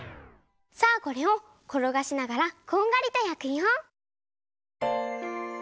さあこれをころがしながらこんがりと焼くよ。